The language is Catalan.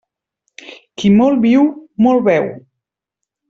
Qui molt viu, molt veu.